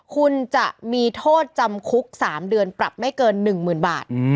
คุณจะมีโทษจำคุก๓เดือนปรับไม่เกิน๑๐๐๐บาท